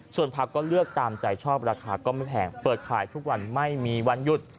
ส่วนผักก็เลือกตามใจชอบราคาก็ไม่แพงเปิดขายทุกวันไม่มีวันหยุด